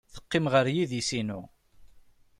Teqqim ɣer yidis-inu.